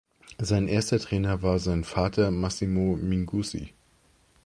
Sein erster Trainer war sein Vater Massimo Minguzzi.